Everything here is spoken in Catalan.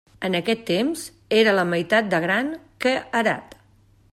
En aquest temps era la meitat de gran que Herat.